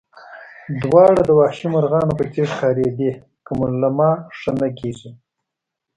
دواړه د وحشي مرغانو په څېر ښکارېدې، که مو له ما ښه نه کېږي.